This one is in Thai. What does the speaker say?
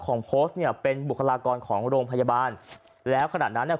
โพสต์เนี่ยเป็นบุคลากรของโรงพยาบาลแล้วขณะนั้นเนี่ย